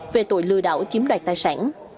về tội lừa đảo chiếm đoạt tài sản